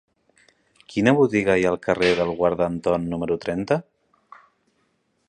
Quina botiga hi ha al carrer del Guarda Anton número trenta?